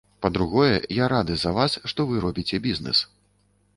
Па-другое, я рады за вас, што вы робіце бізнэс.